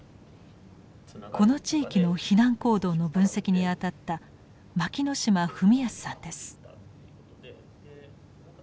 この地域の避難行動の分析に当たった牧野嶋文泰さんです。